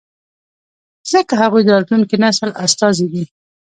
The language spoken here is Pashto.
ځکه هغوی د راتلونکي نسل استازي دي.